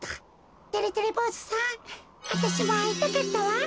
てれてれぼうずさんわたしもあいたかったわ。